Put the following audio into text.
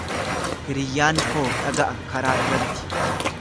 Hiriyyaan koo dhaga'a karaa irratti.